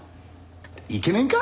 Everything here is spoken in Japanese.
イケメンか？